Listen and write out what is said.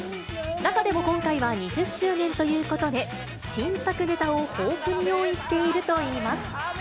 中でも今回は２０周年ということで、新作ネタを豊富に用意してい